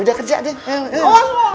udah kerja deh